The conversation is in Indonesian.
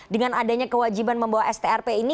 dengan adanya kewajiban membawa strp ini